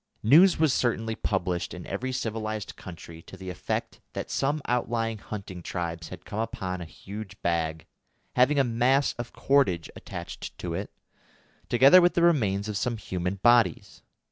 News was certainly published in every civilised country to the effect that some outlying hunting tribes had come upon a huge bag, having a mass of cordage attached to it, together with the remains of some human bodies.